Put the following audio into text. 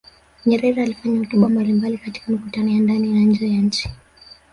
Nyerere alifanya hotuba mbalimbali katika mikutano ya ndani na nje ya nchi